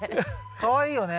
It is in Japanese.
かわいいよね。